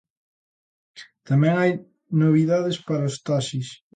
Tamén hai novidades para os taxis.